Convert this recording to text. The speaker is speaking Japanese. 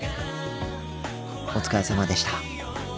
お疲れさまでした。